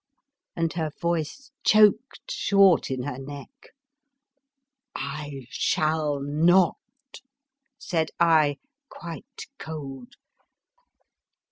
" and her voice choked short in her neck. " I shall not! " said I, quite cold.